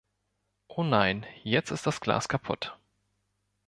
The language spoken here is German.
Oh nein, jetzt ist das Glas kaputt.